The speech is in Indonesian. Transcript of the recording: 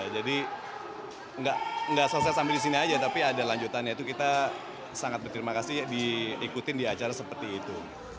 jadi gak selesai sampai disini aja tapi ada lanjutan yaitu kita sangat berterima kasih diikutin di acara seperti itu